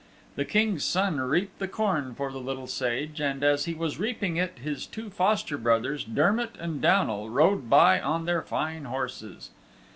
The King's Son reaped the corn for the Little Sage, and as he was reaping it his two foster brothers, Dermott and Downal, rode by on their fine horses.